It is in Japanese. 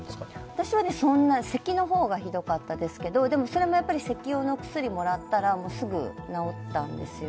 私はせきの方がひどかったですけど、でもそれもせき用のお薬もらったら、すぐ治ったんですよ。